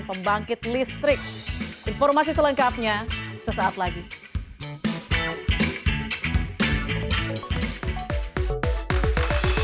ada rumah sakit di sana'a ibu kota yaman terancam berhenti memberikan layanan kesehatan